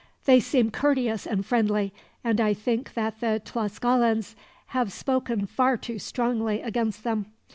"They seem courteous and friendly, and I think that the Tlascalans have spoken far too strongly against them.